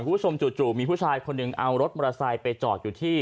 คุณผู้ชมจู่มีผู้ชายคนหนึ่งเอารถมอเตอร์ไซค์ไปจอดอยู่ที่